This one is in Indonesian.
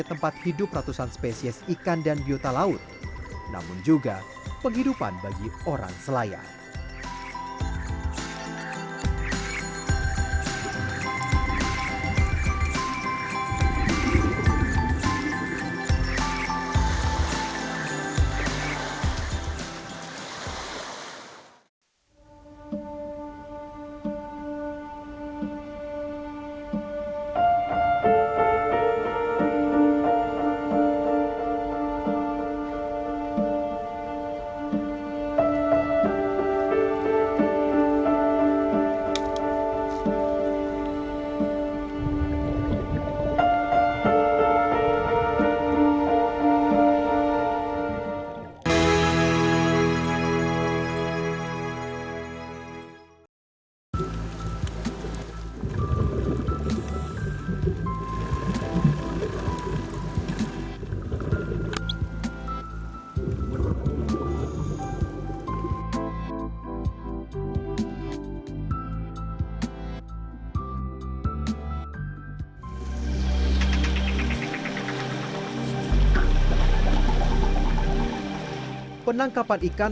sebagai contoh kita juga memiliki pelbagai perubahan